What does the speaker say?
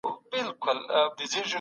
ما خپل ملګری بېداوه.